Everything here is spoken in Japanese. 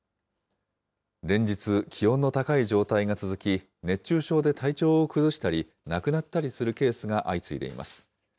連日、気温の高い状態が続き、熱中症で体調を崩したり、亡くなったりするケースが相次いでいます。